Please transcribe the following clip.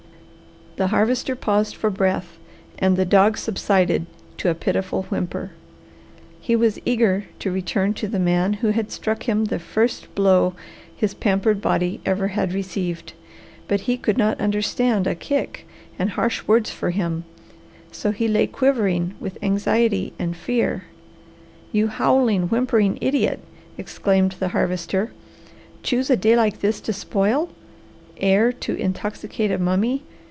The Harvester paused for breath and the dog subsided to a pitiful whimper. He was eager to return to the man who had struck him the first blow his pampered body ever had received; but he could not understand a kick and harsh words for him, so he lay quivering with anxiety and fear. "You howling, whimpering idiot!" exclaimed the Harvester. "Choose a day like this to spoil! Air to intoxicate a mummy!